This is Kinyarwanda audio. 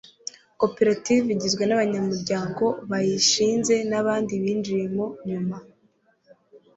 koperative igizwe n'abanyamuryango bayishinze n'abandi binjiyemo nyuma